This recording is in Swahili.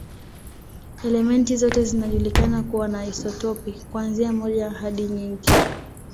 Elementi zote zinajulikana kuwa na isotopi, kuanzia moja hadi nyingi.